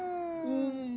うん。